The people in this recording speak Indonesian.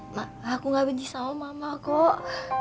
ma aku ga benci sama mama kok